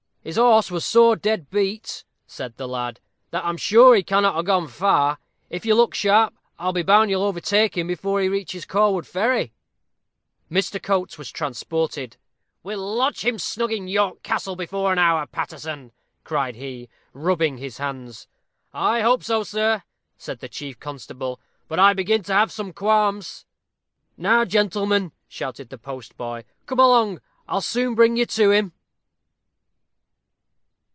"His horse was so dead beat," said the lad, "that I'm sure he cannot have got far; and, if you look sharp, I'll be bound you'll overtake him before he reaches Cawood Ferry." Mr. Coates was transported. "We'll lodge him snug in York Castle before an hour, Paterson," cried he, rubbing his hands. "I hope so, sir," said the chief constable, "but I begin to have some qualms." "Now, gentlemen," shouted the postboy, "come along. I'll soon bring you to him."